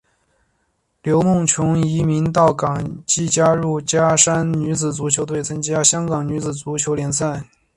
刘梦琼移民到港即加入加山女子足球队参加香港女子足球联赛。